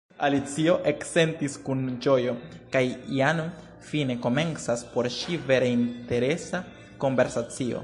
Alicio eksentis kun ĝojo ke jam fine komencas por ŝi vere interesa konversacio.